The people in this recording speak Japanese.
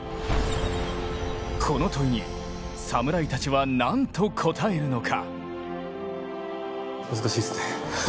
この問いに侍たちは何と答えるのか。